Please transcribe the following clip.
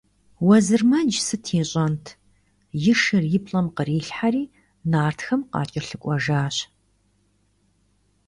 Уэзырмэдж сыт ищӏэнт – и шыр и плӏэм кърилъхьэри, нартхэм къакӏэлъыкӏуэжащ.